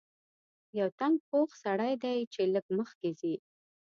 یو تنګ پوخ سړک دی چې لږ مخکې ځې.